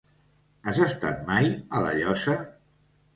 Has estat mai a La Llosa?